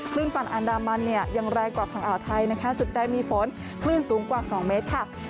ฝั่งอันดามันเนี่ยยังแรงกว่าฝั่งอ่าวไทยนะคะจุดใดมีฝนคลื่นสูงกว่า๒เมตรค่ะ